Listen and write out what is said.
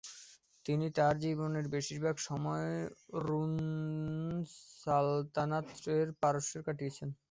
তিনি তার জীবনের বেশিরভাগ সময় রুম সালাতানাত এর পারস্যতে কাটিয়েছেন।